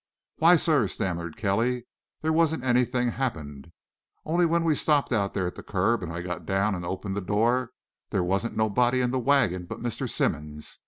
"Why, sir," stammered Kelly, "there wasn't anything happened. Only when we stopped out there at the curb and I got down and opened the door, there wasn't nobody in the wagon but Mr. Simmonds.